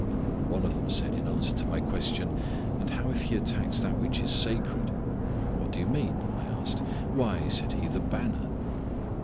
(One of them said in answer to my question: "And how if he attacks that which is sacred?" "What do you mean?" I asked. "Why," said he, "the banner.")